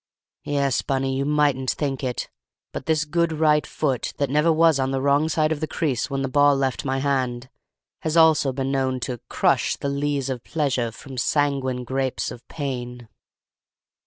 Yes, Bunny, you mightn't think it, but this good right foot, that never was on the wrong side of the crease when the ball left my hand, has also been known to 'crush the lees of pleasure From sanguine grapes of pain.